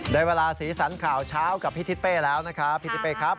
ได้เวลาสีสันข่าวเช้ากับพี่ทิศเป้แล้วนะครับพี่ทิเป้ครับ